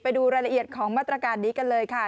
ไปดูรายละเอียดของมาตรการนี้กันเลยค่ะ